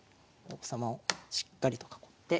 王様をしっかりと囲って。